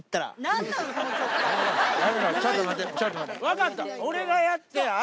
分かった。